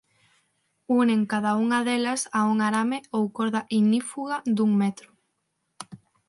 Unen cada unha delas a un arame ou corda ignífuga dun metro.